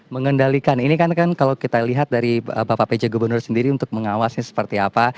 mengendalikan ini kan kalau kita lihat dari bapak pj gubernur sendiri untuk mengawasnya seperti apa